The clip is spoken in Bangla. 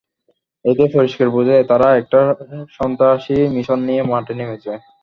এতেই পরিষ্কার বোঝা যায়, তাঁরা একটি সন্ত্রাসী মিশন নিয়েই মাঠে নেমেছে।